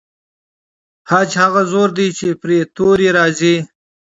خج هغه زور دی چې پر توري راځي.